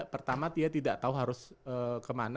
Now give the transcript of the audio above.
pertama dia tidak tahu harus kemana terus kemana kemana kemana